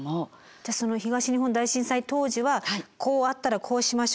じゃあその東日本大震災当時はこうあったらこうしましょうとか。